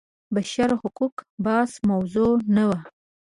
بشر حقونه بحث موضوع نه وه.